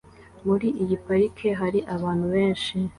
Muri iyi parike hari abantu benshi